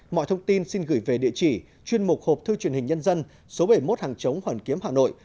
mọi thông tin xin gửi về địa chỉ chuyên mục hộp thư truyền hình nhân dân số bảy mươi một hàng chống hoàn kiếm hà nội